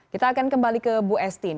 kita akan kembali ke bu estin